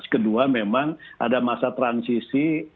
kedua memang ada masa transisi